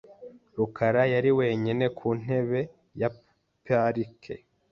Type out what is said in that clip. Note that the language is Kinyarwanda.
rukara yari wenyine ku ntebe ya parike .